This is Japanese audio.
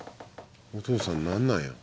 お父さんなんなんやろ？